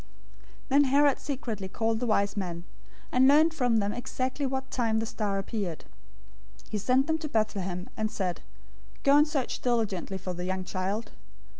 '"{Micah 5:2} 002:007 Then Herod secretly called the wise men, and learned from them exactly what time the star appeared. 002:008 He sent them to Bethlehem, and said, "Go and search diligently for the young child.